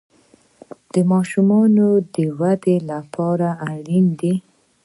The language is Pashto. د ماشومانو د ودې لپاره اړین دي.